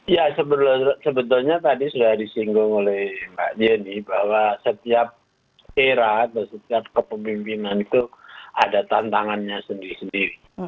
ya sebetulnya tadi sudah disinggung oleh mbak yeni bahwa setiap era atau setiap kepemimpinan itu ada tantangannya sendiri sendiri